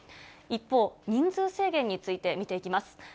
一方、人数制限について見ていきます。